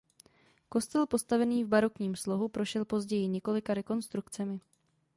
Kostel postavený v barokním slohu prošel později několika rekonstrukcemi.